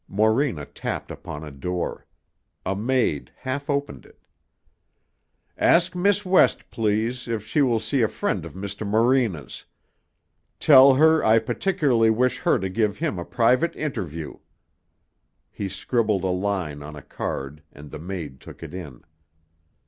Morena tapped upon a door. A maid half opened it. "Ask Miss West, please, if she will see a friend of Mr. Morena's. Tell her I particularly wish her to give him a private interview." He scribbled a line on a card and the maid took it in.